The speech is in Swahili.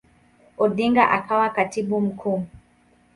Odinga akawa Katibu Mkuu.